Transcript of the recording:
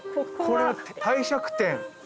これは帝釈天。